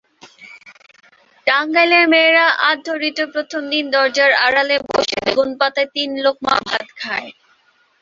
টাঙ্গাইলের মেয়েরা আদ্যঋতুর প্রথম দিন দরজার আড়ালে বসে বেগুনপাতায় তিন লোকমা ভাত খায়।